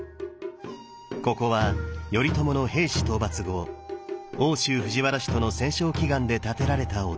ここは頼朝の平氏討伐後奥州藤原氏との戦勝祈願で建てられたお寺。